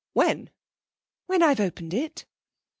'When?' 'When I've opened it.'